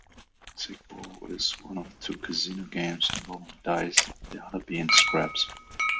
Sic bo is one of two casino games involving dice, the other being craps.